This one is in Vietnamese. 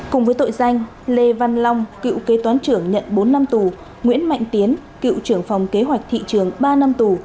cùng với tội danh lê văn long cựu kế toán trưởng nhận bốn năm tù nguyễn mạnh tiến cựu trưởng phòng kế hoạch thị trường ba năm tù